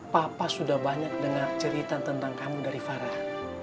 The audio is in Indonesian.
papa sudah banyak dengar cerita tentang kamu dari farah